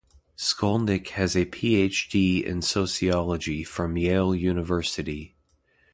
Skolnick has a Ph.D. in sociology from Yale University.